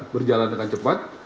berjalan dengan cepat